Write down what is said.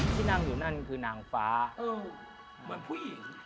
ที่นั่งอยู่นั่นคือนางฟ้าเหมือนผู้หญิง